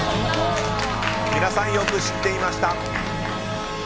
皆さんよく知っていました。